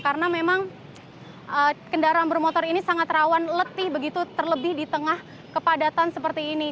karena memang kendaraan bermotor ini sangat rawan letih begitu terlebih di tengah kepadatan seperti ini